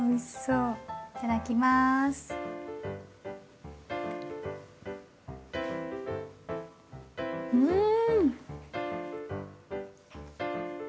うん！